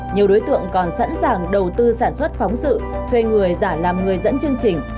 nhiều đối tượng còn sẵn sàng đầu tư sản xuất phóng sự thuê người giả làm người dẫn chương trình